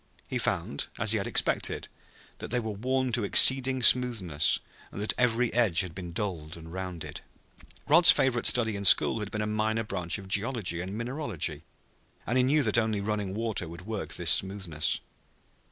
He found, as he had expected, that they were worn to exceeding smoothness, and that every edge had been dulled and rounded. Rod's favorite study in school had been a minor branch of geology and mineralogy, and he knew that only running water could work this smoothness.